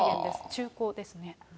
中古ですね。